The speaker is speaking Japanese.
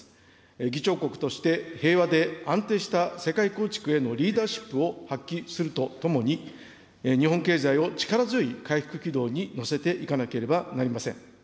議長国として平和で安定した世界構築へのリーダーシップを発揮するとともに、日本経済を力強い回復軌道に乗せていかなければなりません。